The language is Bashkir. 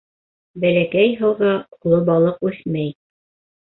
Бәләкәй һыуҙа оло балыҡ үҫмәй.